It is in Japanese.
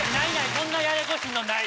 そんなややこしいのない。